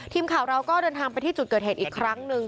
ทีมข่าวเราก็เดินทางไปที่จุดเกิดเหตุอีกครั้งหนึ่ง